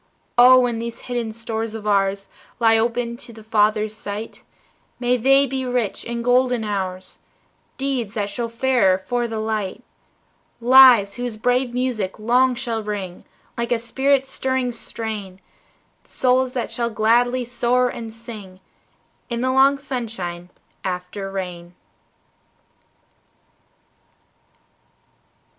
Oh, when these hidden stores of ours Lie open to the Father's sight, May they be rich in golden hours, Deeds that show fairer for the light, Lives whose brave music long shall ring, Like a spirit stirring strain, Souls that shall gladly soar and sing In the long sunshine after rain.